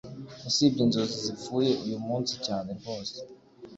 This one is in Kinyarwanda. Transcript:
Usibye inzozi zipfuye uyu munsi cyane rwose